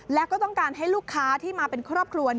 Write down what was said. แล้วก็ต้องการให้ลูกค้าที่มาเป็นครอบครัว